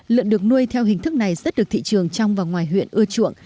lợn được nuôi theo hình thức này rất được thị trường trong và ngoài huyện ưa chuộng